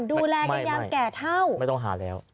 ดูแลกันยามแก่เท่าไม่ต้องหาแล้ว